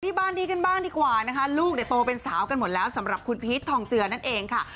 บ้านนี้กันบ้างดีกว่านะคะลูกเนี่ยโตเป็นสาวกันหมดแล้วสำหรับคุณพีชทองเจือนั่นเองค่ะ